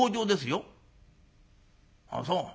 「ああそう。